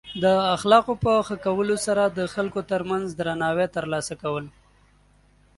د اخلاقو په ښه کولو سره د خلکو ترمنځ درناوی ترلاسه کول.